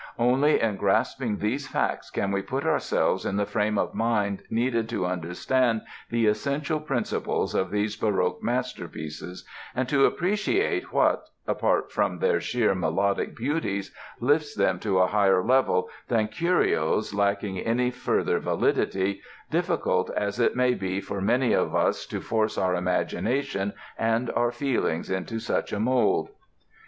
Only in grasping these facts can we put ourselves in the frame of mind needed to understand the essential principles of these baroque masterpieces and to appreciate what—apart from their sheer melodic beauties—lifts them to a higher level than curios lacking any further validity, difficult as it may be for many of us to force our imagination and our feelings into such a mold.